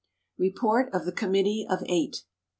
Report of the Committee of Eight.